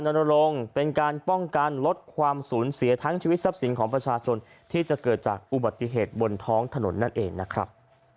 นรงค์เป็นการป้องกันลดความสูญเสียทั้งชีวิตทรัพย์สินของประชาชนที่จะเกิดจากอุบัติเหตุบนท้องถนนนั่นเองนะครับ